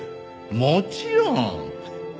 もちろん！